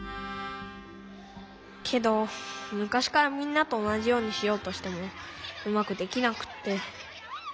けどむかしからみんなとおなじようにしようとしてもうまくできなくって。